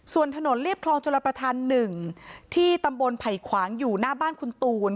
ส่วนถนนเรียบคลองชลประธาน๑ที่ตำบลไผ่ขวางอยู่หน้าบ้านคุณตูน